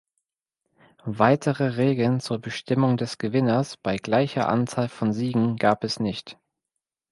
Weitere Regeln zur Bestimmung des Gewinners bei gleicher Anzahl von Siegen gab es nicht.